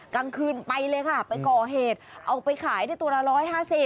กลางคืนไปเลยค่ะไปก่อเหตุเอาไปขายได้ตัวละ๑๕๐